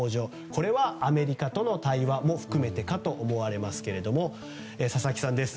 これはアメリカとの対話も含めてかと思われますが佐々木さんです。